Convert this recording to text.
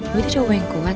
boleh jauh yang kuat